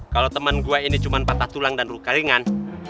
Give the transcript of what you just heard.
kalau temen gua ini cuma patah tulang dan ruka ringan